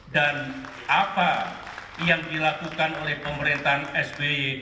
dan apa yang dilakukan oleh pemerintahan sby